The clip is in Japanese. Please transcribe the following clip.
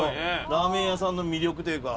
ラーメン屋さんの魅力というか。